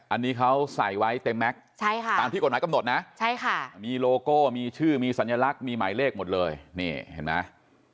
อันนี้เขาใส่ไว้เต็มแม็กซ์ตามที่กฎหมายกำหนดนะใช่ค่ะมีโลโก้มีชื่อมีสัญลักษณ์มีหมายเลขหมดเลยนี่เห็นไหม